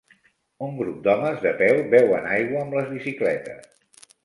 Un grup d'homes de peu beuen aigua amb les bicicletes.